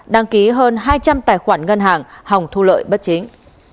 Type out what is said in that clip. đăng ký hơn hai trăm linh tài khoản ngân hàng hồng thu lợi bất chính